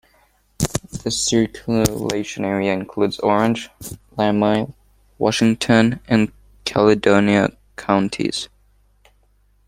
The circulation area includes Orange, Lamoille, Washington and Caledonia counties.